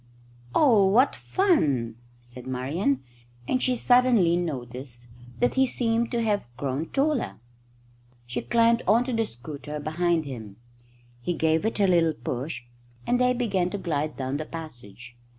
"Oh, what fun!" said Marian, and she suddenly noticed that he seemed to have grown taller. She climbed on to the scooter behind him. He gave it a little push and they began to glide down the passage.